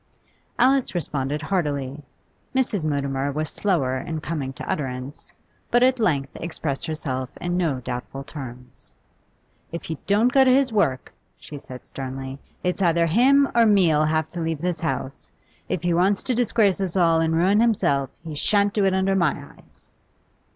Alice responded heartily; Mrs. Mutimer was slower in coming to utterance, but at length expressed herself in no doubtful terms. 'If he don't go to his work,' she said sternly, 'it's either him or me'll have to leave this house. If he wants to disgrace us all and ruin himself, he shan't do it under my eyes.